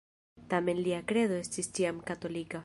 Tamen lia kredo estis ĉiam katolika.